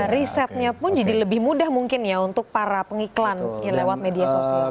risetnya pun jadi lebih mudah mungkin ya untuk para pengiklan yang lewat media sosial